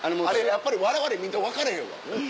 やっぱりわれわれ見て分からへんわ。